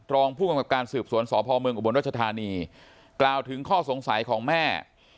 รองผู้กำกับการสืบสวนสพเมืองอุบลรัชธานีกล่าวถึงข้อสงสัยของแม่